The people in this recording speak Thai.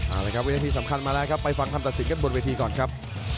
เอาละครับวินาทีสำคัญมาแล้วครับไปฟังคำตัดสินกันบนเวทีก่อนครับ